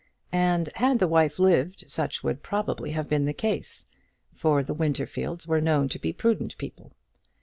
And had the wife lived such would probably have been the case; for the Winterfields were known to be prudent people.